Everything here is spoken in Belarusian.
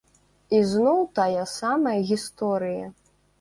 І зноў тая самая гісторыя!